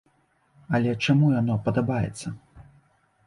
Але чаму яно падабаецца?